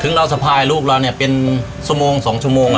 ถึงเราสะพายลูกเราเนี่ยเป็นสักสองชั่วโมง